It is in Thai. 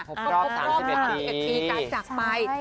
๖รอบ๓๗ปีกลายจากไป